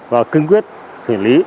và cung quyết xử lý